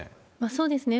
そうですね。